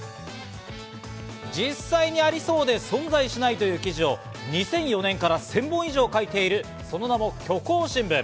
実際にありそうで存在しないという記事を２００４年から１０００本以上書いている、その名も虚構新聞。